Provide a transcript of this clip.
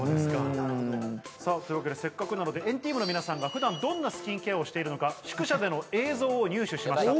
なるほど。というわけでせっかくなので＆ＴＥＡＭの皆さんが普段どんなスキンケアをしているのか宿舎での映像を入手しました。